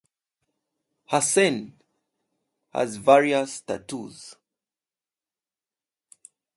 Hansen has various tattoos.